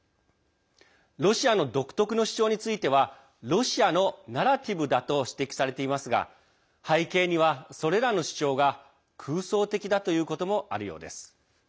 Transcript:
ロシアの独特の主張についてはロシアのナラティブだと指摘されていますが背景には、それらの主張が空想的だということもあるようです。